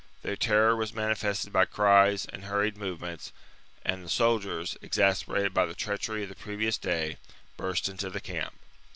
Their terror was manifested by cries and hurried movements, and the soldiers, exasperated by the treachery of the previous day, burst into the camp.